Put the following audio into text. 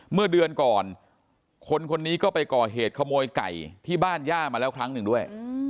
เมื่อเดือนก่อนคนคนนี้ก็ไปก่อเหตุขโมยไก่ที่บ้านย่ามาแล้วครั้งหนึ่งด้วย